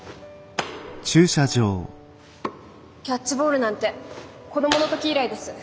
キャッチボールなんて子供の時以来です。